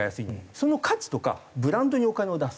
その価値とかブランドにお金を出す。